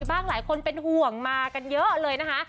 หลายคนเป็นห่วงมากันเยอะเลยนะคะ